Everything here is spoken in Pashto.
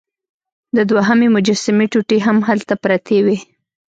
د دوهمې مجسمې ټوټې هم هلته پرتې وې.